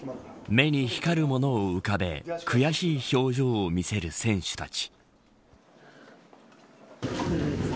目に光るものを浮かべ悔しい表情を見せる選手たち。